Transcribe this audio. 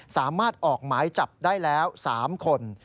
สามารถออกหมายจับได้แล้ว๓คน